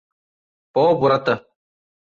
പോ പുറത്ത്